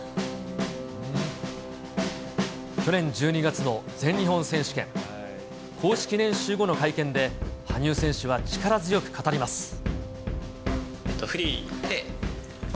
去年１２月の全日本選手権。公式練習後の会見で、羽生選手は力強く語ります。